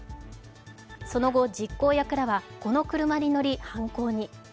その後、実行役らはこの車に乗り犯行に。